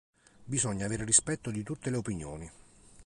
Bisogna avere rispetto di tutte le opinioni.